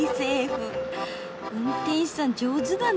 運転手さん上手だね。